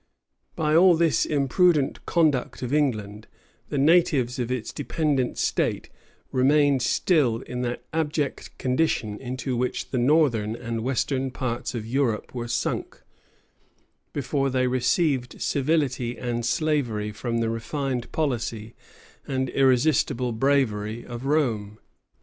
[] By all this imprudent conduct of England, the natives of its dependent state remained still in that abject condition into which the northern and western parts of Europe were sunk, before they received civility and slavery from the refined policy and irresistible bravery of Rome.